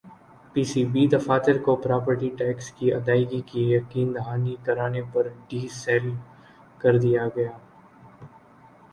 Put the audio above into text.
پی C B دفاتر کو property tax کی ادائیگی کی یقین دہانی کرانے پر ڈی سیل کر دیا گیا